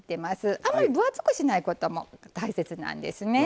あまり分厚くしないことも大切なんですね。